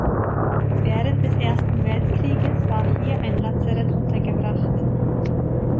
Während des Ersten Weltkrieges war hier ein Lazarett untergebracht.